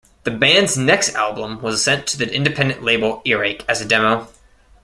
The band's next album was sent to the independent label, Earache, as a demo.